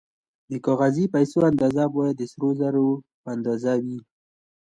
د کاغذي پیسو اندازه باید د سرو زرو په اندازه وي